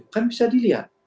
kan bisa dilihat